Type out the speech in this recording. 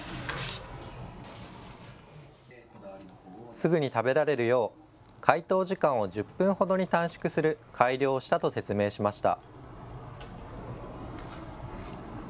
すぐに食べられるよう解凍時間を１０分ほどに短縮する改良をしたと説明しました。